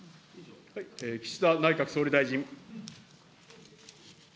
岸田内閣総理大臣。